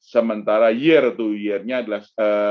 sementara year to year nya adalah satu lima puluh dua